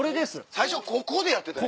最初ここでやってたんや。